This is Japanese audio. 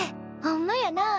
ほんまやなあ。